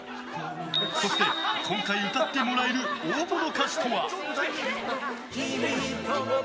そして今回歌ってもらえる大物歌手とは。